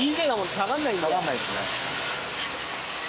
下がんないですね。